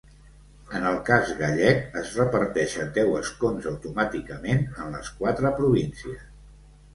En el cas gallec, es reparteixen deu escons automàticament en les quatre províncies.